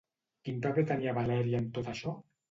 Quin paper tenia Valèria en tot això?